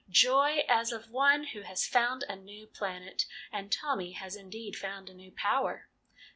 Joy, as of one who has found a new planet ! And Tommy has indeed found a new power.